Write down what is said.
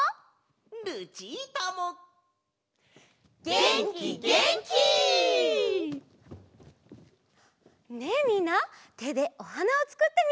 げんきげんき！ねえみんなてでおはなをつくってみて！